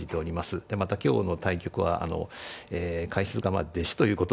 でまた今日の対局は解説が弟子ということですね。